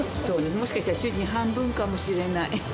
もしかしたら主人、半分かもしれない。